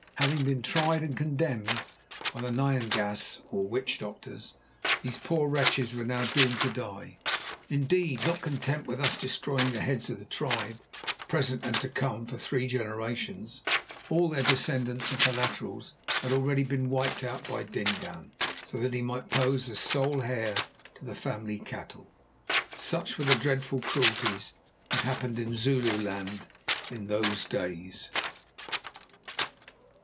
Having been tried and condemned by the Nyangas, or witch doctors, these poor wretches were now doomed to die. Indeed, not content with thus destroying the heads of the tribe, present and to come, for three generations, all their descendants and collaterals had already been wiped out by Dingaan, so that he might pose as sole heir to the family cattle. Such were the dreadful cruelties that happened in Zululand in those days.